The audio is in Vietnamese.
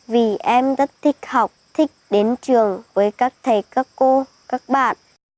vì em rất thích học thích đến trường với các thầy các cô các bạn